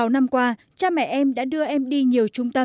sáu năm qua cha mẹ em đã đưa em đi nhiều trung tâm